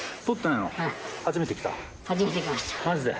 マジで？